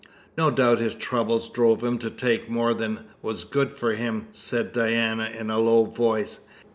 "No doubt his troubles drove him to take more than was good for him," said Diana in a low voice.